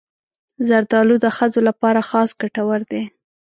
زردالو د ښځو لپاره خاص ګټور دی.